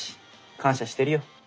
感謝してるよ。